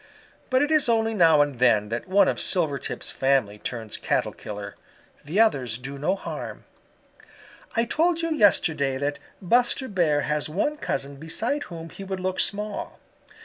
But it is only now and then that one of Silvertip's family turns Cattle killer. The others do no harm. "I told you yesterday that Buster Bear has one cousin beside whom he would look small.